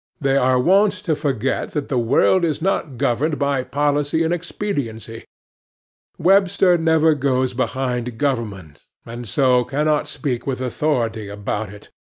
They are wont to forget that the world is not governed by policy and expediency. Webster never goes behind government, and so cannot speak with authority about it.